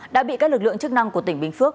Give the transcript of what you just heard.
đã bị các lực lượng chức năng của tỉnh bình phước